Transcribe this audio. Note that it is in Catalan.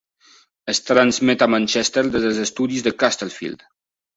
Es transmet a Manchester des dels estudis de Castlefield.